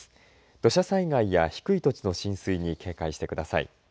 土砂災害や低い土地の浸水に警戒してください。